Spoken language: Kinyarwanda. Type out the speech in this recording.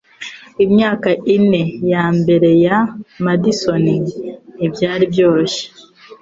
Imyaka ine yambere ya Madison ntibyari byoroshye.